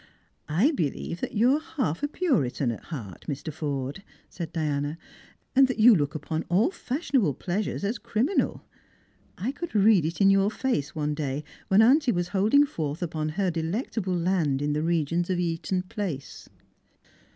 " I believe you are half a Puritan at heart, Mr. Forde," said Diana, " and that you look upon all fashionable pleasures as crimi nal. I could read it in your face one day when auntie was holding forth upon her delectable land in the regions of Eaton place."